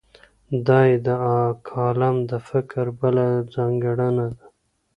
دا یې د کالم د فکر بله ځانګړنه ده.